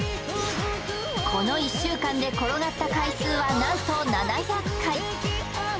この１週間で転がった回数はなんと７００回